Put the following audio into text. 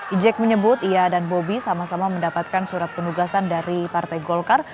ijek menyebut ia dan bobi sama sama mendapatkan surat penugasan dari partai golkar